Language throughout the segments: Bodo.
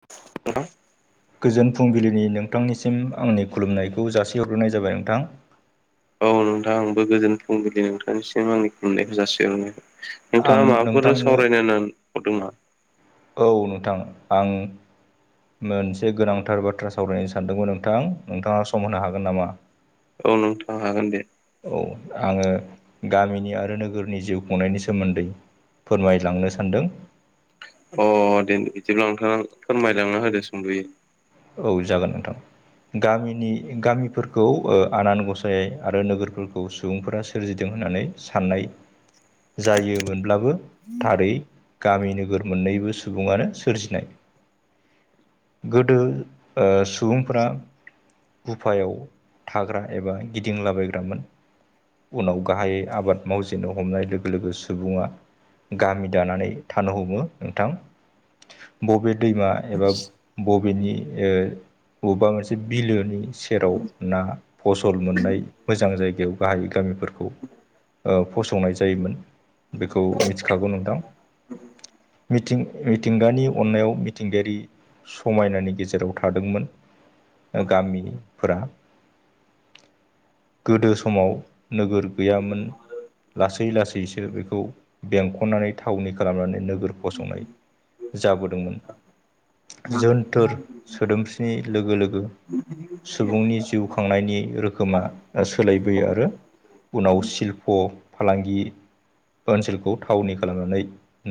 [unintelligible] गोजोन फुंबिलिनि नोंथांनिसिम आंनि खुलुमनायखौ जासिहरग्रोनाय जाबाय नोंथां। औ नोंथां आंबो गोजोन फुंबिलि नोंथांनिसिम आंनि खुलुमनायखौ जासिहरनाय आं नोंथाङा माबाफोर नोंथांनो सावरायनो होननानै हरदों नामा? औ नोंथां आं मोनसे गोनांथार बाथ्रा सावरायनो सानदोंमोन नोंथां नोंथाङा सम होनो हागोन नामा? औ नोंथां हागोन दे औ आङो गामिनि आरो नोगोरनि जिउ खुंनायनि सोमोन्दै फोरमायलांनो सानदों। अ दे बिदिब्ला नोंथां फोरमायलांना होदो सुंदयै औ जागोन नोंथां। गामिनि गामिफोरखौ ओ आनान गसाइ आरो नोगोरफोरखौ सुबुंफोरा सो सोरजिदों होननानै साननाय जायोमोनब्लाबो थारै गामि नोगोर मोननैबो सुबुङानो सोरजिनाय गोदो ओ सुबुंफोरा बुफायाव थाग्रा एबा गिदिंलाबायग्रामोन। उनाव गाहायै आबाद मावजेननो हमनाय लोगो लोगो सुबुङा गामि दानानै थानो हमो नोंथां बबे दैमा एबा बबेनि ओ बबेबा मोनसे बिलोनि सेराव ना फसल मोननाय मोजां जायगायाव गाहाय गामिफोरखौ ओ फसंनाय जायोमोन बेखौ मिथिखागौ नोंथां मिथिं मिथिंगानि अननायाव मिथिंगायारि समायनानि गेजे राव थादोंमोन दा गामिनिफोरा गोदो समाव नोगोर गैयामोन। लासै लासैसो बेखौ बेंखननानै थावनि खालामनानै नोगोर फसंनाय जाबोदोंमोन। [inaudible] बोर सोदोमस्रिनि लोगो लोगो सुबुंनि जिउ खांनायनि रोखोमा सोलायबोयो आरो उनाव शिल्प' फालांगि ओनसोलखौ थावनि खालामनानै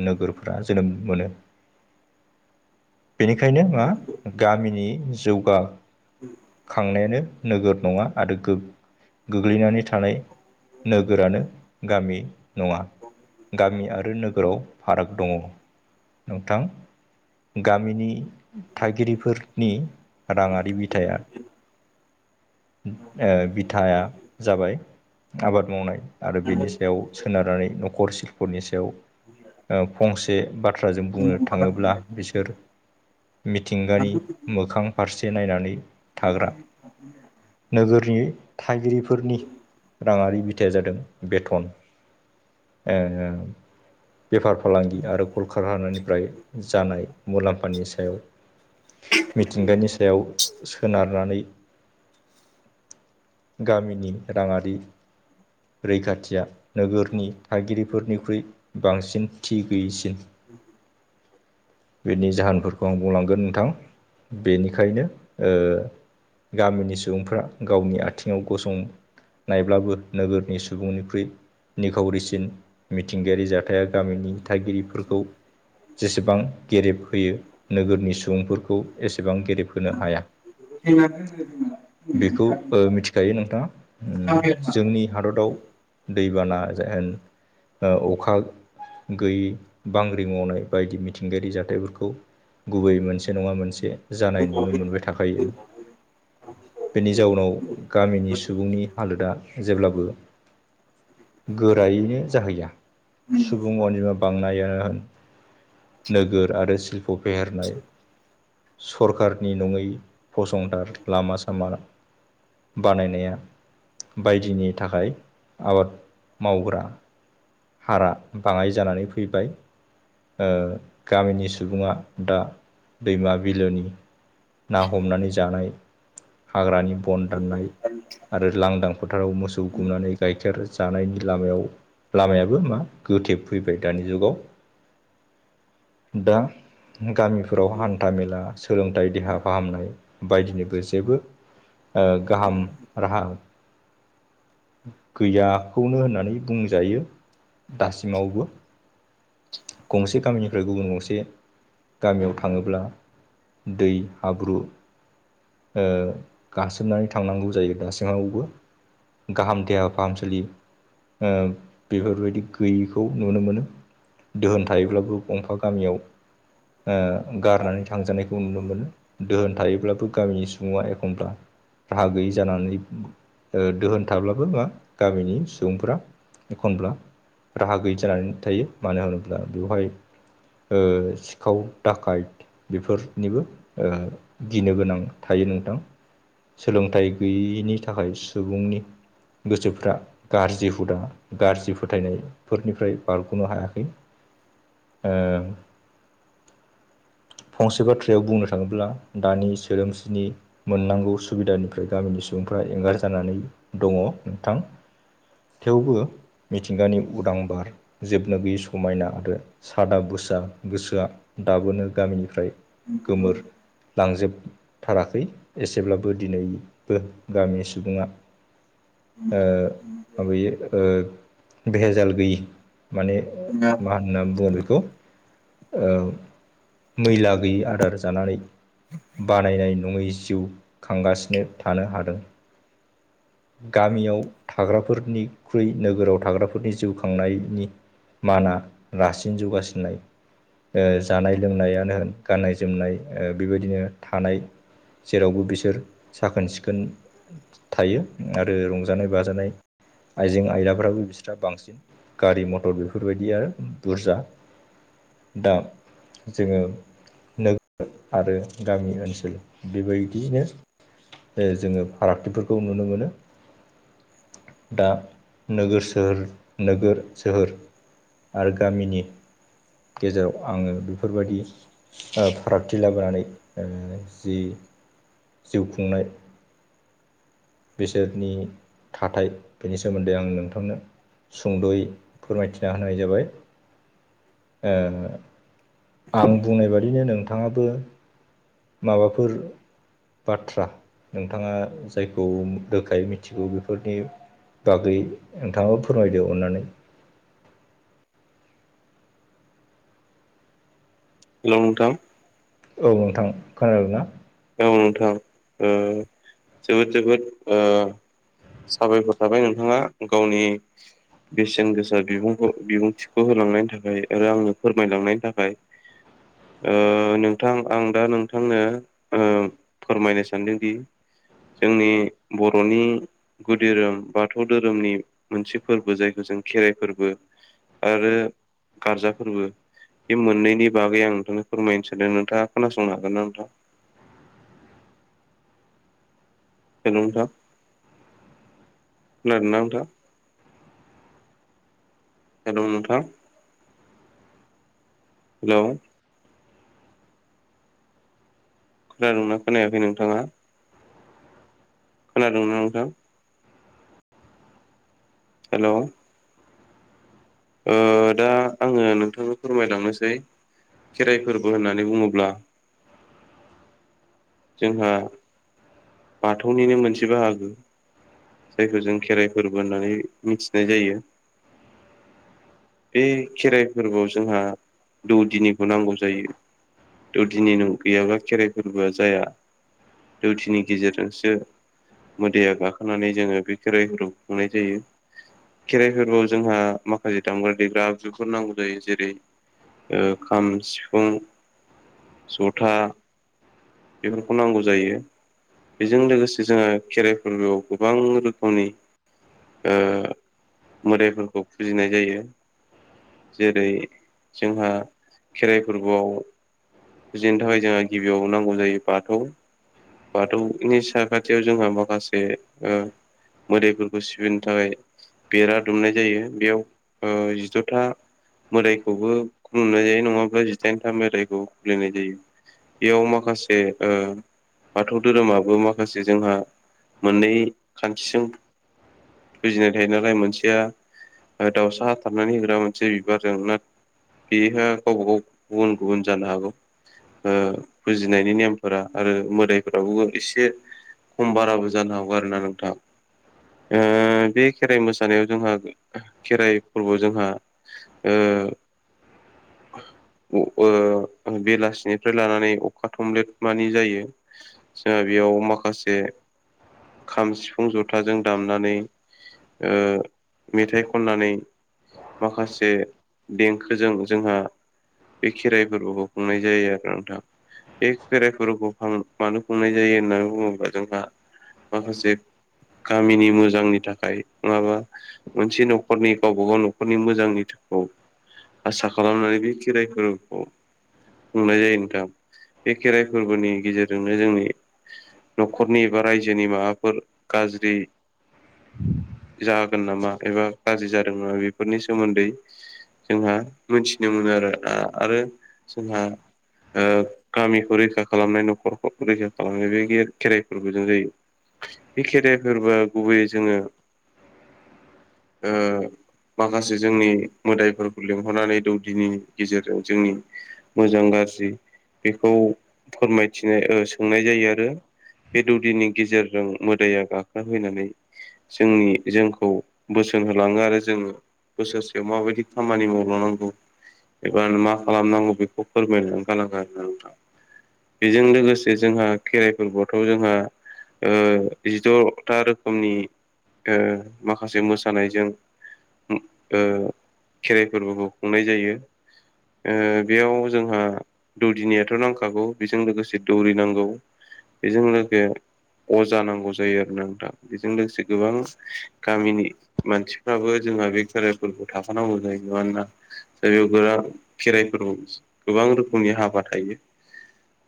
नोगोरफोरा जोनोम मोनो बेनिखायनो ङा गामिनि जौगा खांनायानो नोगोद नङा आरो गो गोग्लैनानै थानाय नोगोरानो गामि नङा गामि आरो नोगोराव फाराग दङ नोंथां गामिनि थागिरिफोरनि राङारि बिथाया ओ बिथाया जाबाय आबाद मावनाय आरो बेनि सायाव सोनारनानै न'खर सिशल्पनि सायाव ओ फंसे बाथ्राजों बुंनो थाङोब्ला बिसोर मिथिंगानि मोखां फारसे नायनानै थाग्रा नोगोरनि थागिरिफोरनि राङारि बिथा जादों बेथन बेफार फालांगि आरो खल कारखाहनिफ्राय जानाय मुलाम्फानि सायाव मिथिंगानि सायाव सोनारनानै गामिनि राङारि रैखाथिया नोगोरनि थागिरिफोरनिख्रुइ बांसिन थि गैयिसिन [inaudible] बिनि जाहोनफोरखौ आं बुंलांगोन नोंथां बेनिखायनो गामिनि सुबुंफ्रा गावनि आथिङाव गसं नायब्लाबो नोगोरनि सुबुंनिख्रुइ निखावरिसिन मिथिंगायारि जाथाया गामिनि थागिरिफोरखौ जेसेबां गेरेब होयो नोगोरनि सुबुंफोरखौ एसेबां गेरेबहोनो हाया [inaudible] बेखौ मिथिखायो नोंथाङा जोंनि हादराव दैबाना जेन अखा गैयि बांग्रि मावनाय बायदि मिथिंगायारि जाथायफोरखौ गुबै मोनसे नङा मोनसे जानाय नुनो मोनबाय थाखायो बेनि जाउनाव गामिनि सुबुंनि हालोदा जेब्लाबो गोरायैनो जाहैया सुबुं अन्जिमा बांनायानो होन नोगोर आरो शिल्प' फेहेरनाय सोरखारानि नङै फसंथान लामा सामा बानायनाया बायदिनि थाखाय आबाद मावग्रा हारा बाङाय जानानै फैबाय गामिनि सुबुङा दा दैमा बिलोनि ना हमनानै जानाय हाग्रानि बन दाननाय आरो लांदां फोथाराव मोसौ गुमनानै गाइखेर जानायनि लामायाव लामायाबो मा गोथे फैबाय दानि जुगाव दा गामिफोराव हान्था मेला सोलोंथाइ देहा फाहामनाय बायदिनिबो जेबो गाहाम राहा गैयाखौनो होननानै बुंजायो दासिमावबो गंसे गामिनिफ्राय गुबुन गंसे गामियाव थाङोब्ला दै हाब्रु गासोबनानै थांनांगौ जायो दासिमावबो गाहाम देहा फाहामसालि बेफोरबायदि गैयिखौ नुनो मोनो दोहोन थायोब्लाबो गंफा गामियाव गारनानै थांजानायखौ नुनो मोनो दोहोन थायोब्लाबो गामिनि सुबुङा एखमब्ला राहा गैयि जानानै दोहोन थाब्लाबो मा गामिनि सुबुंफोरा एखनब्ला राहा गैयि जानानै थायो मानो होनोब्ला बेवहाय सिखाव दाखार्ड बेफोरनिबो गिनो गोनां थायो नोंथां सोलोंथाइ गैयैनि थाखाय सुबुंनि गोसोफ्रा गाज्रि हुदा गाज्रि फोथायनायफोरनिफ्राय बारग'नो हायाखै ओ फंसे बाथ्रायाव बुंनो थाङोब्ला दानि सोदोमस्रिनि मोननांगौ सुबिदानिफ्राय गामिनि सुबुंफ्रा एंगार जानानै दङ नोंथां थेवबो मिथिंगानि उदां बार जोबनो गैयै समायना आरो सादा बुसा गोसोआ दाबोनो गामिनिफ्राय गोमोर लांजोबथाराखै एसेब्लाबो दिनैबो गामिनि सुबुङा ओ आमयो ओ भहेजाल गैयि माने मा होनना बुङो बेखौ मैला गैयै आदार जानानै बानायनाय नङै जिउ खांगासिनो थानो हादों गामियाव थाग्राफोरनिख्रुइ नोगोराव थाग्राफोरनि जिउ खांनायनि माना रासिन जौगासिननाय जानाय लोंनायानो होन गाननाय जोमनाय बेबायदिनो थानाय जेरावबो बिसोर साखोन सिखोन थायो आरो रंजानाय बाजानाय आइजें आयलाफ्राबो बि [unintelligible] बांसिन गारि मथर बेफोरबायदि आरो बुरजा दा जोङो नोगोर आरो गामि ओनसोल बेबायदियैनो जोङो फारागथिफोरखौ नुनो मोनो दा नोगोरसि सोहोर नोगोर सोहोर आरो गामिनि गेजेराव आङो बेफोरबायदि फारागथि लाबोनानै जि जिउ खुंनाय बिसोरनि थाथाय बेनि सोमोन्दै आं नोंथांनो सुंद'यै फोरमायथिना होनाय जाबाय। ओ आं बुंनाय बादिनो नोंथाङाबो माबाफोर बाथ्रा नोंथाङा जायखौ रोखायै मिथिगौ बेफोरनि बाखै नोंथाङाबो फोरमायदो अननानै हेल' नोंथां औ नोंथां खोनादों ना? ओ नोंथां ओ जोबोद जोबोद साबायखर थाबाय नोंथाङा गावनि बेसेन गोसा बिबुंखौ बिबुंथिखौ होलांनायनि थाखाय आरो आंनो फोरमायलांनायनि थाखाय। [inaudible] ओ नोंथां आं दा नोंथांनो ओ फोरमायनो सानदोंदि जोंनि बर'नि गुदिधोरोम बाथौ धोरोमनि मोनसे फोरबो जायखौ जों खेराइ फोरबो आरो गारजा फोरबो बे मोननैनि बागै आं नोंथांनो फोरमायनो सानदों। नोंथाङा खोनासंनो हागोन ना नोंथां? हेल' नोंथां खानादोंना नोंथां? हेल' नोंथां? हेल' खोनादों ना खोनायाखै नोंथाङा? खोनादों ना नोंथां? हेल' ओ दा आङो नोंथांनो फोरमायलांनोसै। खेराइ फोरबो होननानै बुङोब्ला जोंहा बाथौनिनो मोनसे बाहागो। जायखौ जों खेराइ फोरबो होननानै मिथिनाय जायो। बे खेराइ फोरबोआव जोंहा दौदिनिखौ नांगौ जायो। थ' दिनै न' गैयाबा खेराइ फोरबोआ जाया जुटिनि गेजेरजोंसो मोदैया गाखोनानै जोङो बे खेराइफोरखौ खुंनाय जायो। खेराइफोरबोव जोंहा माखासे दामग्रा देग्रा आगजुफोर नांगौ जायो। जेरै। ओ खाम, सिफुं, जथा, बेफोरखौ नांगौ जायो। बेजों लोगोसे जोंहा खेराइ फोरबोआव गोबां रोखोमनि ओ मोदायफोरखौ फुजिनाय जायो। जेरै- जोंहा खेराइ फोरबोआव फुजिनो थाखाय जोंहा गिबियाव नांगौ जायो बाथौ। बाथौनि साखाथियाव जोंहा माखासे ओ मोदायफोरखौ सिबिनो थाखाय बेरा दुमनाय जायो। बेयाव जिद'था मोदायखौबो खुलुमनाय जायो। नङाब्ला जिदाइनथा मोदाइखौ फुजिनाय जायो। बेयाव माखासे ओ बाथौ धोरोमाबो माखासे जोंहा मोननै खान्थिजों बुजिनाय थायो नालाय मोनसेया दाउसा थारनानै होग्रा, मोनसे बिबार जोंना बेहा गावबा गाव गुबुन गुबुन जानो हागौ। ओ होननायनि नेमफोरा आरो मोदायफोरावबो एसे खम बाराबो जानो हागौ आरो ना नोंथाङा। ओ बे खेराइ मोसानायाव जोंहा खेराइ फोरबोआव जोंहा ओ। बेलासिनिफ्राय लानानै अ थमलेट मानि जायो। जोंहा बेयाव माखासे खाम, सिफुं, जथाजों दामनानै मेथाइ खननानै माखासे देखोजों जोंहा बे खेराइ फोरफोरखौबो खुंनाय जायो आरो नोंथां। बे खेराइ फोरबो'खौ मानो खुंनाय जायो होननानै बुङोब्ला जोंहा माखासे गामिनि मोजांनि थाखाय नङाबा मोनसे न'खरनि गावबा गाव न'खरनि मोजांनि थाखाय आसा खालामनानै बे खेराइफोरखौ खुंनाय जायो नोंथां। बे खेराइ फोरबोनि गेजेरजोंनो जोंनि न'खरनि एबा रायजोनि माबाफोर गाज्रि जागोन नामा एबा गाज्रि जादों नामा बेफोरनि सोमोन्दै जोंहा मोनथिनो मोनो आरो। आरो जोंहा गामिखौ रैखा खालामनाय न'खरखौ रैखा खालामनाय बे खेराइफोरबोजों जायो। बे खेराइ फोरबोआ गुबैयै जोङो माखासे जोंनि मोदायफोरखौ लिंहरनानै दौदिनि गेजेरजों जोंनि मोजां गाज्रि बेखौ फोरमायथिनाय सोंनाय जायो आरो बे दौदिनि गेजेरजों मोदआ गाखोफैनानै जोंनि जोंखौ बोसोन होलाङो आरो जोङो बोसोरसेयाव मा बायदि खामानि मावलांनांगौ एबा मा खालामनांगौ बेखौ फोरमायनानै गालाङो आरोना नोंथां। बेजों लोगोसे जोंहा खेराइ फोरबोखौ जोंहा जिद'था रोखोमनि माखासे मोसानायजों खेराइ फोरबोखौ खुंनाय जायो। बेयाव जोंहा दौदिनिथ' नांखागौ। बेजों लोगोसे दौरि नांगौ बेजों लोगोसे अजा नांगौ जायो आरोना नोंथां बेजों लोगोसे गोबां गामिनि मानसिफ्राबो जोंहा बे खेराइफोरखौ थाफानांगौ जायो आरोना। दा बे खेराइफोराव गोबां रोखोमनि हाबा थायो।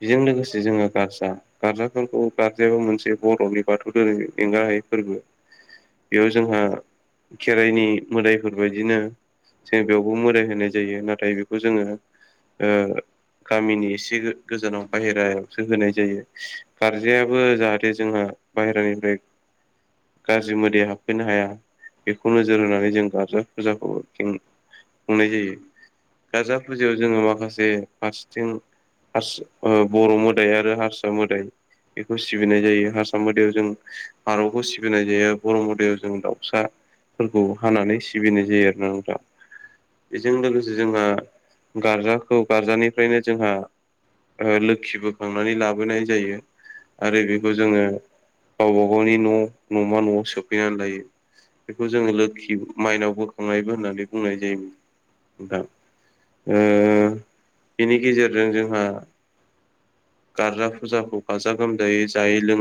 बेजों लोगोसे जोंङो गारजा गारजाफोरखौ गारजायाबो मोनसे बर'नि बाथौ धोरोमनि एंगाहायै फोरबो। बेयाव जोंहा खेराइनि मोदायफोरबायायदिनो जों बेयावबो मोदाय होनाय जायो नाथाय बेखौ जोंङो ओ गामिनि एसे गोजानाव बाहेरायावसो होनाय जायो। गारजायाबो जाहाथे जोंहा बाहेरानिफ्राय [inaudible] गाज्रि मोदाया हाबफैनो हाया। बेखौ नोजोर होनानै जों गारजा फुजाखौ खुंनाय जायो। गारजा फुजायाव जोङो माखासे फारसेथिं हास ओ बर' मोदाय आरो हारसा मोदाय बेखौ सिबिनाय जायो। हारसा मोदायाव जों फारौखौ सिबिनाय जायो। बर' मदयाव जों दाउसा फोरखौ हानानै सिबिनाय जायो आरो ना नोंथां। बेजों लोगोसे जोंहा गारजाखौ गारजानिफ्रायनो जोंहा ओ लोखि बोखांनानै लाबोनाय जायो। आरो बेखौ जोंङो गावबाागावनि न' न'मा न'आव सोफैनानै लायो। बेखौ जोंङो लोखि माइनाव बोखांनायबो होननानै बुंनाय जायोमोन। [unintelligible] ओ बिनि गेजेरजों जोंहा गारजा फुजाखौ गाजा गोमजायै जायै लोंङो